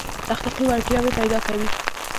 تخلیقي وړتیاوې پیدا کوي.